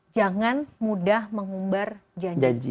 jangan mudah mengumbar janji